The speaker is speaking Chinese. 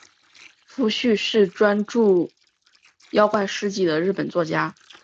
夫婿是专注妖怪事迹的日本作家。